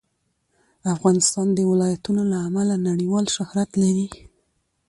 افغانستان د ولایتونو له امله نړیوال شهرت لري.